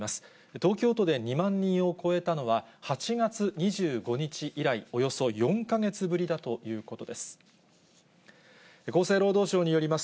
東京都で２万人を超えたのは８月２５日以来、およそ４か月ぶりだということです。